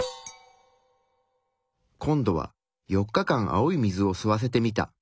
今度は４日間青い水を吸わせてみた。